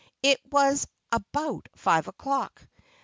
It was about five o'clock.